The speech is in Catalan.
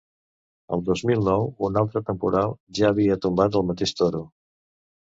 El dos mil nou, un altre temporal ja havia tombat el mateix toro.